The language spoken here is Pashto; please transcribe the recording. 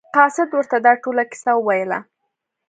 قاصد ورته دا ټوله کیسه وویله.